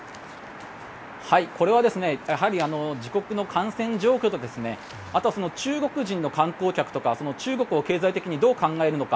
これはやはり自国の感染状況とあとは中国人の観光客とか中国を経済的にどう考えるのか。